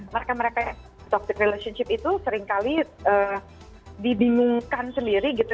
mereka mereka yang toxic relationship itu seringkali dibingungkan sendiri gitu